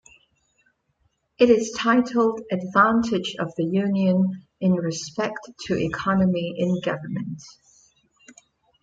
It is titled, Advantage of the Union in Respect to Economy in Government.